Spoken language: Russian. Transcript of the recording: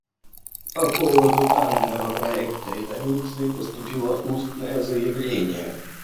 По поводу данного проекта резолюции поступило устное заявление.